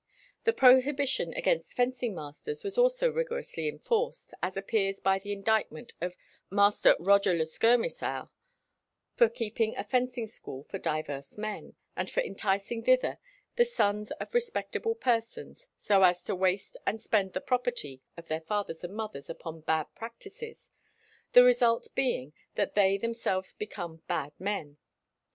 The prohibition against fencing masters was also rigorously enforced, as appears by the indictment of "Master Roger le Skirmisour, for keeping a fencing school for divers men, and for enticing thither the sons of respectable persons so as to waste and spend the property of their fathers and mothers upon bad practices, the result being that they themselves become bad men.